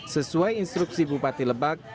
sesuai instruksi bupati lebak